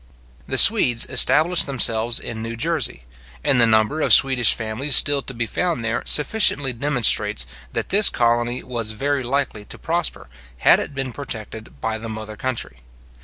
The Swedes established themselves in New Jersey; and the number of Swedish families still to be found there sufficiently demonstrates, that this colony was very likely to prosper, had it been protected by the mother country.